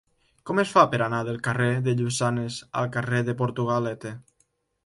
Com es fa per anar del carrer del Lluçanès al carrer de Portugalete?